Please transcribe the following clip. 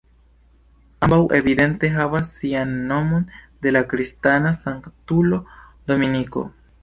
Ambaŭ evidente havas sian nomon de la kristana sanktulo Dominiko.